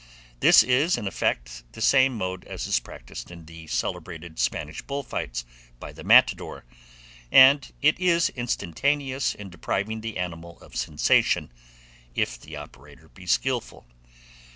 This is, in effect, the same mode as is practised in the celebrated Spanish bull fights by the matador, and it is instantaneous in depriving the animal of sensation, if the operator be skilful.